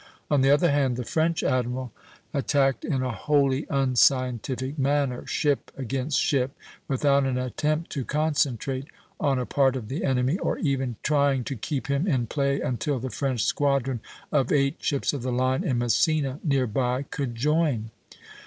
On the other hand, the French admiral attacked in a wholly unscientific manner, ship against ship, without an attempt to concentrate on a part of the enemy, or even trying to keep him in play until the French squadron of eight ships of the line in Messina, near by, could join.